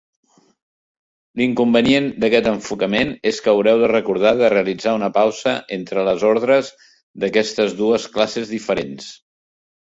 L'inconvenient d'aquest enfocament és que haureu de recordar de realitzar una pausa entre les ordres d'aquestes dues classes diferents.